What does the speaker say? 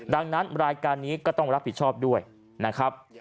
ดังนั้นรายการนี้ก็ต้องรับผิดชอบด้วยนะครับ